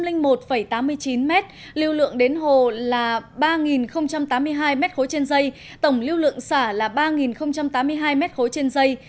lưu lượng đến hồ là ba tám mươi hai m ba trên dây tổng lưu lượng xả là ba tám mươi hai m ba trên dây